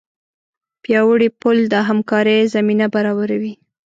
پیاوړی پل د همکارۍ زمینه برابروي.